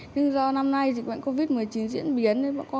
nhưng do năm nay dịch bệnh covid một mươi chín diễn biến